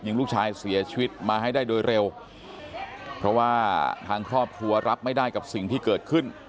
ลูกชายเสียชีวิตมาให้ได้โดยเร็วเพราะว่าทางครอบครัวรับไม่ได้กับสิ่งที่เกิดขึ้น